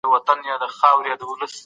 د ګریسو داغ ډېر سخت وي.